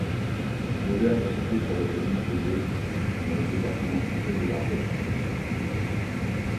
L'auberge est située sur la commune de Baix, dans le département français de l'Ardèche.